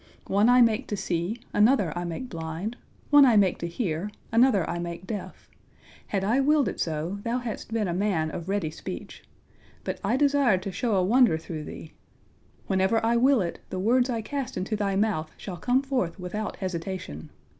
One I make to see, another I make blind; one I make to hear, another I make deaf. Had I willed it so, thou hadst been a man of ready speech. But I desired to show a wonder through thee. Whenever I will it, the words I cast into thy mouth shall come forth without hesitation.